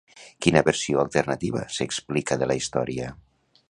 Quina versió alternativa s'explica de la història?